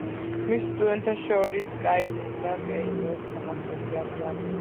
მის სტუდენტთა შორის კაილინ და კეიდროს თომასები არიან.